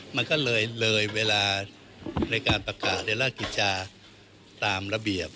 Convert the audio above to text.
มันก็เลยเลยเวลาในการประกาศในราชกิจจาตามระเบียบ